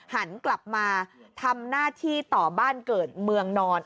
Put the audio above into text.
หันกลับมาทำหน้าที่ต่อบ้านเกิดเมืองนอน